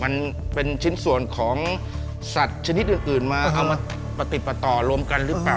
มันเป็นชิ้นส่วนของสัตว์ชนิดอื่นมาเอามาประติดประต่อรวมกันหรือเปล่า